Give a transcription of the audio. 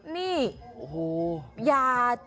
เนี่ยโอ้โห